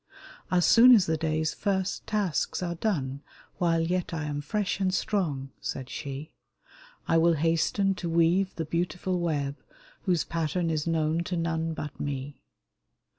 " As soon as the day's first tasks are done, While yet I am fresh and strong," said she, *' I will hasten to weave the beautiful web Whose pattern is known to none but me